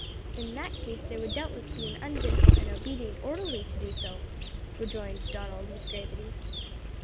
"In that case there would doubtless be an ungentle and obedient orderly to do so," rejoined Donald with gravity.